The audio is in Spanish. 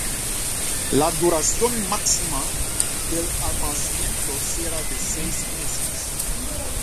La duración máxima del almacenamiento será de seis meses.